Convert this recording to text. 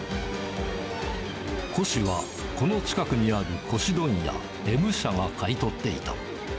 古紙はこの近くにある古紙問屋、Ｍ社が買い取っていた。